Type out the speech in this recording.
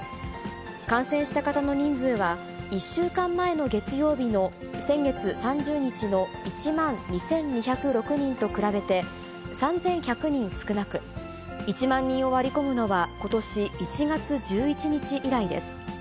感染した方の人数は、１週間前の月曜日の先月３０日の１万２２０６人と比べて、３１００人少なく、１万人を割り込むのは、ことし１月１１日以来です。